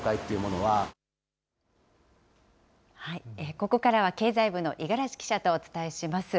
ここからは経済部の五十嵐記者とお伝えします。